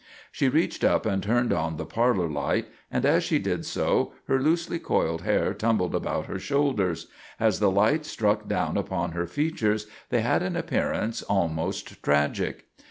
She reached up and turned on the parlour light, and as she did so her loosely coiled hair tumbled about her shoulders. As the light struck down upon her features they had an appearance almost tragic.